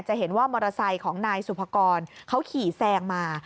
จะเห็นว่ามอเตอร์ไซค์ของนายสุภกรเขาขี่แซงมา